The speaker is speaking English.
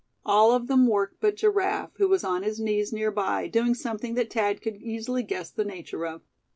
All of them worked but Giraffe, who was on his knees near by, doing something that Thad could easily guess the nature of.